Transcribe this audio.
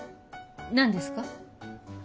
何ですか？